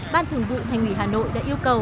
ban thường vụ thành ủy hà nội đã yêu cầu